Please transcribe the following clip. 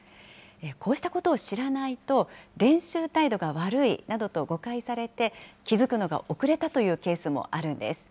こうしたことを知らないと、練習態度が悪いなどと誤解されて、気付くのが遅れたというケースもあるんです。